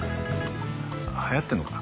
流行ってんのか？